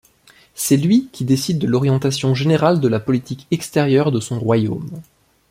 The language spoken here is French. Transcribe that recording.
C'est lui qui décide de l'orientation générale de la politique extérieure de son royaume.